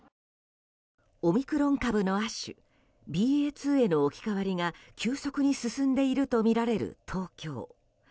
オミクロン株の亜種ＢＡ．２への置き換わりが急速に進んでいるとみられる東京。